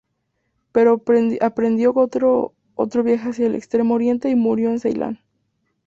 Pero emprendió otro viaje hacia el Extremo Oriente y murió en Ceilán.